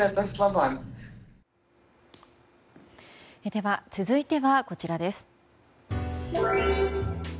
では続いてはこちらです。